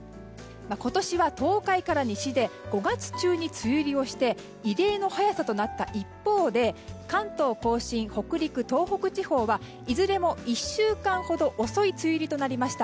今年は、東海から西で５月中に梅雨入りをして異例の早さとなった一方で関東・甲信、北陸、東北地方はいずれも１週間ほど遅い梅雨入りとなりました。